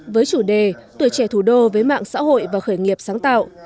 với chủ đề tuổi trẻ thủ đô với mạng xã hội và khởi nghiệp sáng tạo